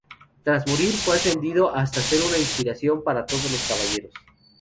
Tras morir, fue ascendido hasta ser una inspiración para todos los caballeros.